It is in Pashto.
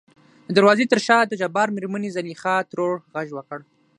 د دروازې تر شا دجبار مېرمنې زليخا ترور غږ وکړ .